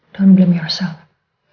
jangan menyalahkan diri kamu sendiri